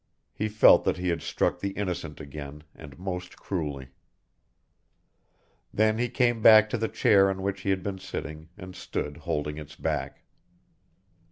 He felt that he had struck the innocent again and most cruelly. Then he came back to the chair on which he had been sitting and stood holding its back.